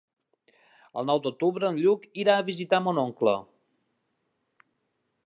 El nou d'octubre en Lluc irà a visitar mon oncle.